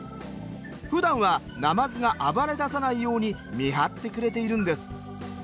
ふだんはなまずが暴れださないように見張ってくれているんです。